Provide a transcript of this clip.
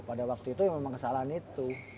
pada waktu itu memang kesalahan itu